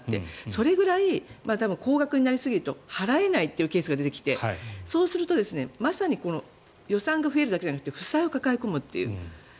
それくらい、高額になりすぎると払えないというケースが出てきてそうすると、まさに予算が増えるだけじゃなくて負債を抱え込む。